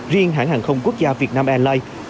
riêng hãng hàng không quốc gia vietnam airlines